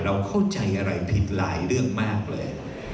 เราเข้าใจอะไรผิดหลายเรื่องมากเลย